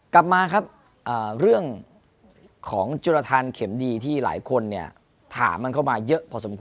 กลับมาครับเรื่องของจุรทานเข็มดีที่หลายคนถามมันเข้ามาเยอะพอสมคว